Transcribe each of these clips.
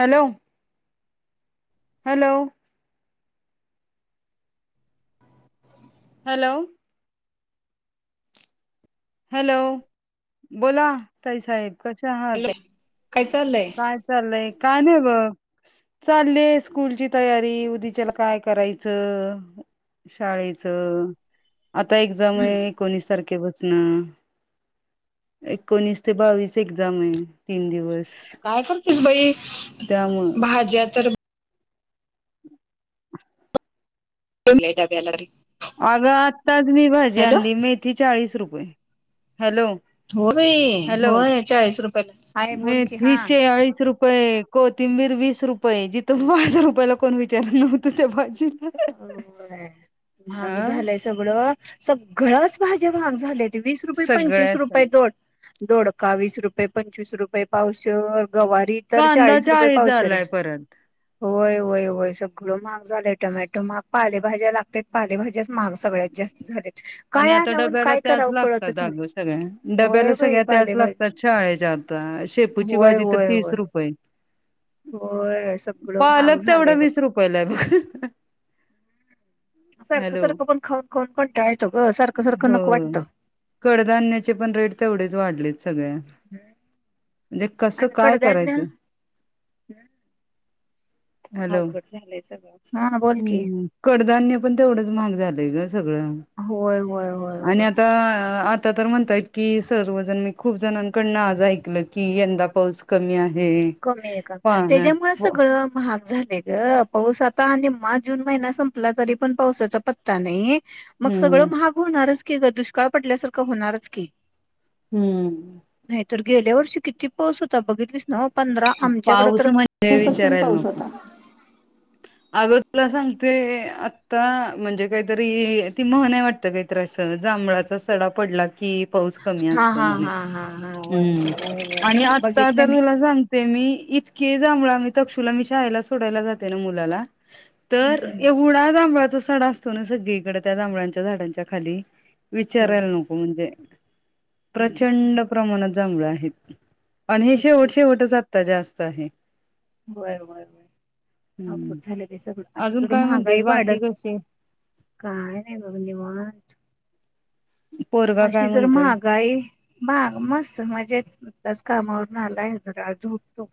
Hello. Hello. Hello. Hello बोला ताई साहेब कसे आहात. हॅलो काय चाललंय काय चाललंय काय नाही ब. चाललेय स्कूलची तयारी उद्याच्याला काय करायचं? शाळेच आता एग्झाम हम्म आहे एकोणीसला सारखे बसण एकोणीस ते बावीस एक्झाम आहे. तीन दिवस काय करतेस बाई त्यामुळ भाज्या तर. डवे्यालरी [unintelligible] अगं आत्ताच मी भाजी आणली, मेथी चाळीस रुपय. हॅलो हो बाई हॅलो होय चाळीस रुपयाला हाय [unintelligible] बोल की मेथी हा चाळीस रुपये होय कोथिंबीर वीस रुपये जिथं पाच रुपयाला कोणी विचारलं नव्हतं ते भाजी. होय महाग झालंय सगळं सगळ्याच भाज्या महाग झाल्यात. वीस रुपये, पंचवीस सगळ्या सग रुपये दोडका वीस रुपये, पंचवीस रुपये पावशेर. गवार तर कांदा चाळीस रुपये पावशेर आहे. झालाय परत होय होय होय सगळं महाग झालंय. टोमॅटो महाग, पालेभाज्या लागतात, पालेभाज्याच महाग सगळ्यात जास्ती झाल्यात. आणि आता डब्याला त्याच लागतात नाही अगं सगळ्या, होय डब्याला बाई सगळ्या त्याच पालेभाज्या लागतात शाळेच्या. आता शेपूची होय भाजी तर होय तीस होय रुपये. होय सगळं महाग पालक तेवढा झालंय बघ. वीस रुपयला आहे. सारखं हॅलो सारखं पण खाऊन कंटाळले. हो कडधान्याचे पण रेट तेवढेच वाढलेत सगळे. हम् म्हणजे कसं काय करायचं? हॅलो अवघड झालंय सगळं. हा बोल की हम्म कडधान्य पण तेवढंच महाग झालय गं. सगळं होय होय होय आणि होय आता आ. आता तर म्हणतात की सर्वजण मी खूप जणांकडून आज ऐकलं की यंदा पाऊस कमी आहे. लोकसंख्या कमी आहे, का पाण्या त्याच्यामुळे प सगळं महाग आहे. झाले गं पाऊस आता आणि मे जून महिना संपला तरी पण पावसाचा पत्ता नाही. मग हम्म सगळं महाग होणारच की ग दुष्काळ पडल्यासारखं होणारच की, हम्म. तर गेल्या वर्षी किती पाऊस होता, बघितलीस ना? पंधरा आमच्याकडे पाऊस तर म्हणे मे पासून विचारायला पाऊस नको? होता. अगं तुला सांगते आता म्हणजे काहीतरी ही ती म्हण आहे, वाटतं काहीतरी अस जांभळात. असं सडा पडला. कि पाऊस कमी हा असतो हा म्हणेह हा हा हा होय हम होय होय आणि आता बघितलं तर मी तुला सांगते. ते मी इतके जांभुळ आहे, आम्ही तक्षुला मी शाळेला सोडायला जाते ना मुलाला. तर हम्म एवढा जांभुळ तो सडा असतो ना सगळीकडे त्या जांभळ्यांच्या झाडांच्या खाली विचारायला होय नको म्हणजे! प्रचंड हम्म प्रमाणात जांभळ आहेत, अन् बघकी शेवट शेवटचं. येथे जास्त आहे. होय होय हम्म अवघड झालंय बाई सगळं अजून असं काय महागाई म्हणतेस बाकी वाढत. कसे काय नाही बघ निवांत. पोरगा काय अशी जर म्हणतोय महागाई महाग मा मस्त म्हणजे. आज कामावरून आलाय ज झोपतो.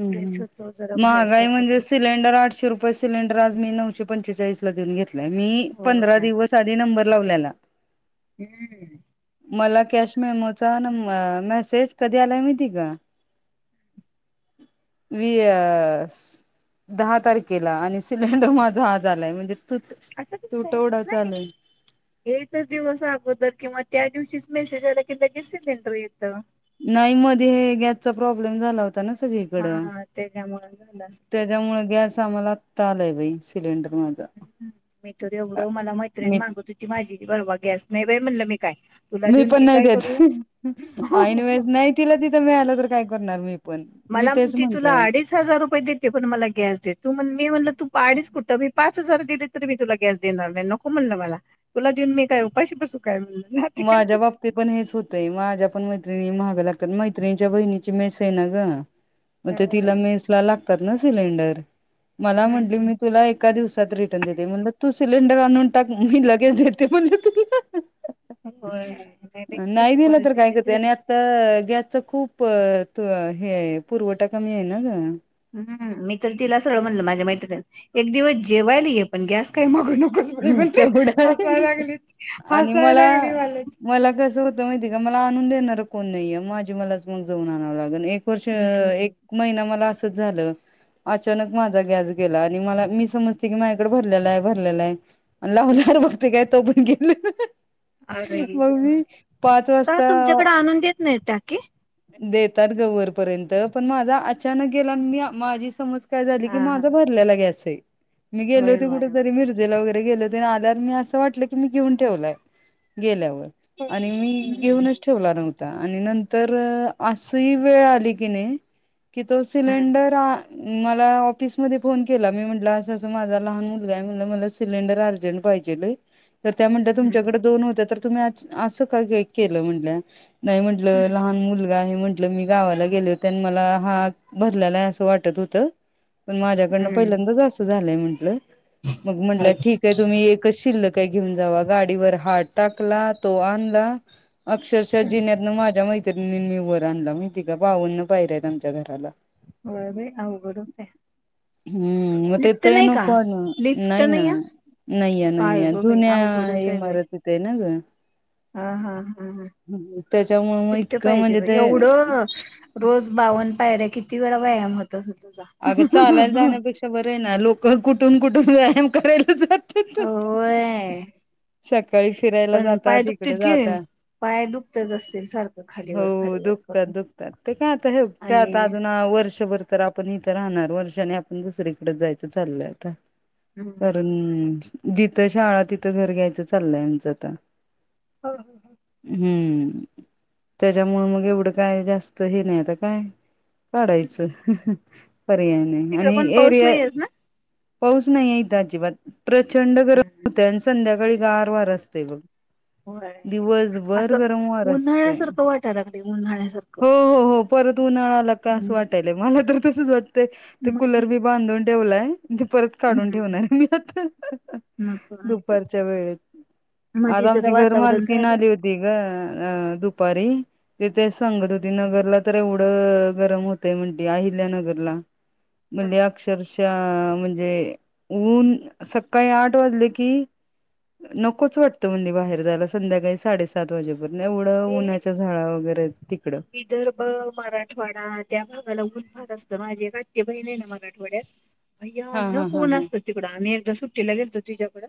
हम् हम होतो जरा बाहेर महागाई जातो म्हणजे मग सिलेंडर आठशे रुपये सिलेंडर आज मी नव एक शे पंचेचाळीस लाऊन घेतय मी पंधरा होय दिवस आधी नंबर लावल्याला. हम्म मला कॅश मिळ च न मेसेज कधी आला माहिती का. वियस. दहा तारखेला आणि सिलेंडर माझा आा झालाय म्हणजे. तू असं दिसत तुटवडा नाही चालूय एकच दिवस अगोदर किंवा त्या दिवशीच मेसेज आला कि लगेच सिलेंडर येतोय. नाही मध्ये हे गॅसचा प्रॉब्लेम झाला होता, ना सगळीकडं. हा त्याच्यामुळे झालं असेल ते. त्याच्यामुळे गॅस आम्हाला आत्ता आलय बाई. सिलेंडर माझा मी तरो एवढं मला मैत्रिणी मी मागत होती, माझी बरवा गॅस नाही बाई म्हणलं मी. काय तुला मी देऊन पण नाही काय देत करू ऐन वेळेस नाही तिला तिथं मिळालं तर काय करणार मी. पण. मी मला तेच म्हणती तुला म्हंटलं. अडीच हजार रुपये देते पण मला गॅस दे तू म्हण मी म्हणलं तू अडीच कुठं मी पाच [unintelligible] तरी मी तुला गॅस देणार, नाही नको म्हणलं मला तुला देऊन मी काय उपाशी बसू. काय म्हणलं जा तिकडे माझ्या बाबतीत पण हेच होतंय, माझ्या पण म म्हाग लागतात मैत्रिणीच्या, बहिणीची मेस आहे ना गं मग तिला अं, मेसला लागतातना. सिलेंडर, मला म्हटली हम्म. मी तुला एका दिव रात्री रिटर्न देते. म्हणून तू सिलेंडर आणून टाक मी लगेज देते म्हणले तुला. होय नाही बाई नाही तसं दिलं तर काय परिस्थिती करते, झाली आणि आता गॅसच खूप हे पुरवठा कमी आहे ना गं. हम्म मी तर तिला सरळ म्हणलं माझ्या एक दिवस जेवायला ये, पण गॅस काय मागू नकोस बाई म्हणलं तेवढं हसायला लागली आणि हसायला मला, लागली मला मला कस होत माहिती आहे का आणून देणार कोण नाहीये, माझी मला चं जावून आणाव लागल. एक वर्ष हम्म एक महिना मला अस झालं. अचानक माझा गॅस गेला. आणि मला मी समजते की माझ्याकडे भरलेला आहे भरलेला आहे. लावलेवर बघते काय तो पण गेला. अरे मग देवा. मी पाच का वाजता. तुमच्याकडे आणून देत नाहीत टाकी देतात गं वरपर्यंत पण माझा अचानक गेला. मी माझी समज काय झाली की, हा हा माझा भरलेला गॅस ये मी गेले होय होते कुठ होय होय. तरी मिरजेला वगै [unintelligible] आल्यावर मी अस वाटलं, की मी घेऊन ठेवलाय गेल्यावर. आणि हम्म मी घेऊनच ठेवला नव्हता, आणि नंतर र... आस ही वेळ आली कणी, कि तो हम्म सिलेंडर मला ऑफिस मध्ये फोन केला. मी म्हंटलं असं असं माझा लहान मुलगा आहे, म्हटलं मला सिलेंडर अर्जंट पहि पाहिेजेल. त्या म्हणल्या हम्म तुमच्याकडे दोन होत्या, तर तुम्ही असं का केलं म्हणल्या. नाही म्हटलं हम्म. लहान मुलगा आहे म्ह म्हटल मी गावाला गेले होते, मला हा भरलेला असं वाटत होत. पण माझ्याकडनं हम्म. पहिल्यांदाच असं झालंय म्हंटलं, मग म्हंटल्या ठीक आहे तुम्ही एकच शिल्ल क घेऊन जावा, गाडीवर हात टाकला तो आणला. अक्षरशः जिन्यातन माझ्या मैत्रिणींनी वर आणला, माहिती का बावन्न पायऱ्या आहेत आमच्या घराला. व्हय बाई अवघड होतंय. हम्म, मग तेथ येन कोण लिफ्ट नाही ना. आहे? नाहीये काय नाहीये, गं बाई जुन्या अवघडच आहे बाई इमारतीत आहे ना गं हा हा हा हा त्याच्यामुळे मग तित. इतकं पाहिजे म्हणजे बाई ते एवढं रोज बावन पायऱ्या किती वेळा व्यायाम होत. असेल तुझा. अगं चालायला जाण्यापेक्षा बरं आहे ना, लोक कुठून कुठून व्यायाम करायला जातात. [inaudible] [unintelligible] सकाळी फिरायला पण जातात, पाय दुखतेत हिकडं की. जातात. पाय दुखतच असतील सारखं हो खालीवर खालीवर दुखतात करून दुखतात, ते काय आता हे आता आणि अजून वर्षभर तर आपण इथं राहणार, वर्षाने आपण दुसरीकडे जायचं चालय आता. हम्म. कारण, जिथं शाळा तिथं घर घ्यायचं चालंय आमचं आता. हो हो हो हम्म. त्यांच्यामुळे मग एवढं काय, जास्त हे नाही आता काय पाडायचं. पर्याय नाही तिकडे आणि पण पाऊस एरिया, नाहीयेच ना? पाऊस नाही ये इथं, अजिबात प्रचंड गरम हम्म. होतंय आणि संध्या गार वार असतय बघ, होय दिवसभर असं गरम वार असतय. उन्हाळ्यासारखं वाटायला लागलंय उन्हाळ्यासारखं. हो हो हो परत उन्हाळा आला का, असं हम्म. वाटायल मला तर तसच वाटतंय ते कुलर मधी बी बांधून ठेवलाय. ते परत काढून हम्म ठेवणार ये, मी आता मग काय तर दुपारच्या वेळेत आज मधी जरा आमची घर वातावरण मालकीन झालं आली होती गं, अ.. दुपारी ते तेच सांगत होती नगरला तर एवढं गरम होतय म्हणती अहिल्या नगरला मल अक्षरश म्हणजे ऊन सकाळी आठ वाजले की नकोच वाटतं म्हणे बाहेर जायला संध्याकाळी साडेसात वाजे एवढं ते उन्हच्या झाडा वगैरे तिकडं. विदर्भ मराठवाडा त्या मला ऊन भात असत माझी एक आत््य बहिण आहे ना मला आठवड्यात हा अय्याना हा हा कोण हा. असतं तिकडं आम्ही एकदा सुट्टीला घेतो तिच्या्याकडं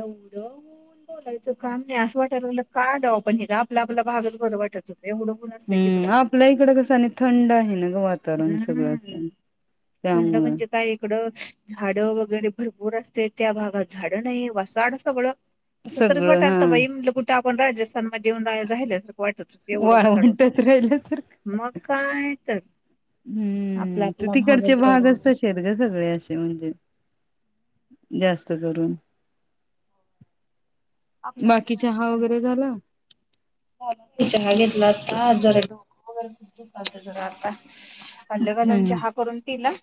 एवढं बोलायचं काम नाही असं वाटायला का दव आपण हे का आपला आपला भागच भर वाटत एवढं ऊन असतंय तिकडं. हम्म आपल्या इकडं कसं आणि थंड आहे ना ग वातावरण सगळं हम्म. असं थंड त्यामुळं. म्हणजे काय इकडं झाड वगैरे भरपूर असत त्या भागात झाड नाही वासाड बळं असं तरच सगळं हा वाटलत बाईट कुठ आपण राजस्थान म येऊन राहिलं सारख वाट होत एवढं बसाड होत वाळवंटात राहिल्यासारखं मग काय तर आपला हम्म तर आपला तिकडचे भागच बरा. भागचत श आहेत ग सगळे असे म्हणजे जास्त करून आपला आपला बाकी भागच चहा बरा वगैरे झाला चहा घेतला आता जरा डोकं वगैरे आता अल्लगलम हम्म च हहा करून तिला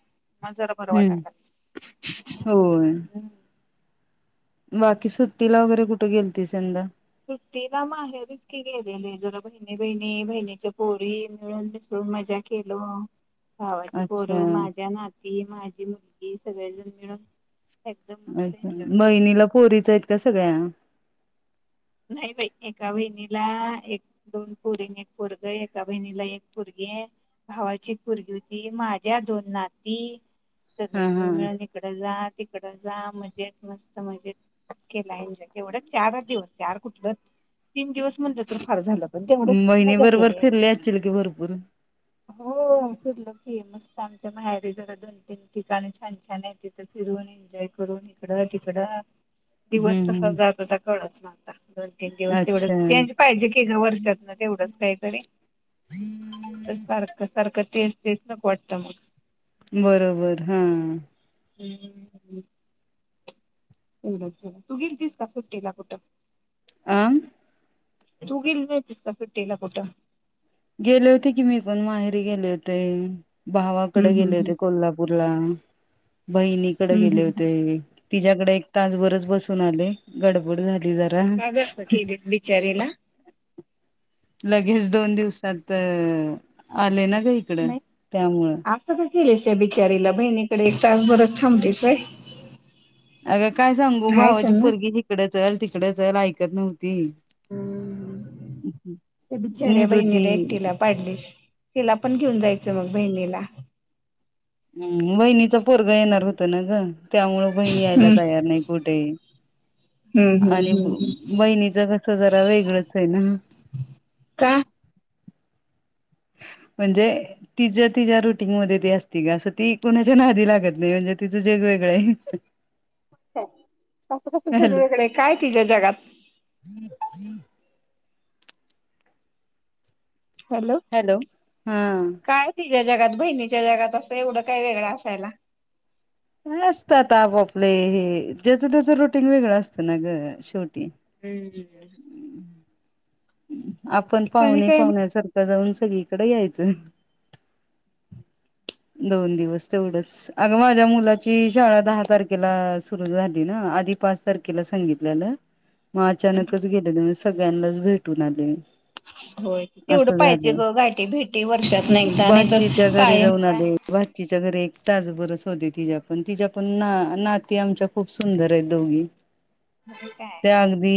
ह जरा बर वाटा हम्म हम् होय. बाकी सुट्टीला वगैरे कुठे गेलती यंदा सुट्टी ना माहेरच की गेलेले जरा बहिणी बहिणी बहिणीच्या पोरी मिळून दिस खूप मजा केल भावाची अच्छा खोरं माझ्या नाती माझी मुलगी सगळेजण मिळून एकदम मस्त अ्छा एन्जॉय केलो बहिनीला पोरीच आहेत का सगळ्या नाही बाई एका बहिणीला एक दोन पुरीन एक परग एका बहिणीला एक पुरगी भावाची कुरगीती माझ्या दोन नाती हा सगळेजून हा मिळून इकडे जात तिकड जा मजेत मस्त मजेत केला एन्जॉय केवढ्या चारच दिवस चार कुठलं तीन दिवस म्हणलं तर फार झालं पण तेवढच बहिणी मजा बरोबर फिरले केलीजय असतील की भरपूर हो फिरलं की मस्त आमच्या माहेर जरा दोन तीन ठिकाणी छान छान आहे तिथ फिरून एन्जॉय करून तिकडं तिकडं हम्म दिवस कसा हम्म जात होता कळत ना दोन तीन दिवस अच्छा तेवढंचचे पाहिजे की घ वर्षातन तेवढंच काहीतरी तर सारखं सारखं तेस् तेस नक वाटतं मग बरोबर हा हम्म होढच तू गेल तस का सुट्टेला कुठं आ तू गिल म तिसका फर टेला कोुटा गेले होते की मी पण माहेरी गेले होते भावाकडे हम्म हम्म गेले हम्म होते कोल्हापूरला बहिणीकडे हम्म हम्म. गेले हम्म. होते तिच्या्याकडे एक तासभरच बसून आले गडबड झाली ार का गं असं केलीस बिचारीला? नाही लगेच दोन दिवसात आले ना का इकड त्यामुळं केलेस बिचारीला बहिणीकडे एक तास बरच थांबतेसय अग काय सांगू भावाची पगी हिकडे ल तिकडे ल ऐकत नव्हती त त्या नि बिचाऱ्या दुध बहिणीला एकटीला पाडलीस तिला पण घेऊन जायचं मग बहिणीला हम् वहिनीचा पोरग येणार होत ना ग त्यामु बहिणी यायला हम्म तयार नाही कुठेही हम्म हम्म आणि हम्म हम् बहिणीच कस जरा वेगळंच आहे ना का [inaudible] म्हणजे ति ति रुटीन म अस का ती कोणाच्या लागत नाही म्हणजे त जे वेगळे कस कस हॅलो तूकडे काय तिझ्या जगात हम् हॅलो हा त्या जगात बहिणीच्या जगात असं एवढं काय वेगळं असायला असत आता आपापले ज्याचं त्याच रोटीन वेगळं असतं ना ग शेवटी हम्म ह आपण आणि पाहुणे काय मग पाहुण्यासारखं जाऊन सगकडे यायचं ह दोन दिवस तेवढंच अग माझ्या मुलाची शाळा दहा तारखेला सुरू झाली ना आधी पाच तारखेला सांगितल्यालं मग अचानकच गेलेले म्ह सगळ्यांनाच भेटून आले ह होय तेवढं असं पाहिजे झालं ग घाटी भेटी वर्षात नाही एकदा नाही तरर कायम काय अगर एक ताजबरस होते तिच्या पण तिच्या पण ना नाती आमच्या खूप सुंदर आहेत दोघी होय काय त्या अगदी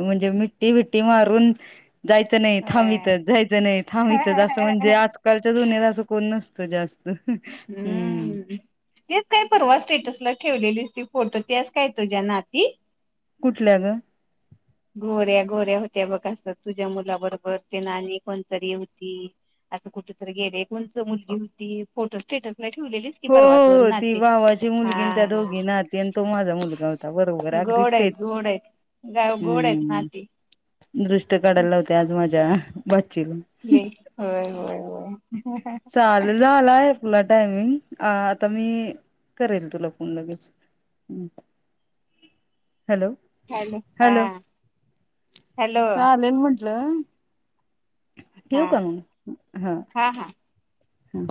म्हणजे मि्टी बट्टी मारून जायचं नाही होय थांबवतच जायचं नाही थांबतच असं म्हणजे आजकालच्या जुन्याला असं कोण नसतं जास्त हम्म हेच काय परवा स्टेटसला ठेवलेली फोटो तेस काय तुझ्या ना ती कुठल्या ग गोऱ्या गोऱ्या होत्या बघस तुझ्या मुलाबरोबर ते नाणी कोणतरी होती असता कुठेतरी गेले कोण मुलगी होती फोटो स्टेटस हो ती भावाची मुलगी त्या हा दोघीनाहती आणि तो माझा मुलगा होता बरोबर आहे गोडयत गोडायत ग हम्म दृष्ट काढायला होत्या आज माझ्या नाही हययय चाल झालाय तुला टायमिंग आता मी करेल तुला फोन लगेच [inaudible] हॅलो हॅलो हॅलो चालेल म्हंटलं ठेऊ हा का मग हा हम